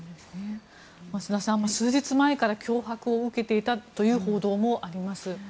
増田さん数日前から脅迫を受けていたという報道もあります。